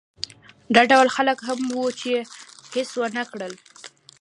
دا ډول خلک هم وو چې هېڅ ونه کړل.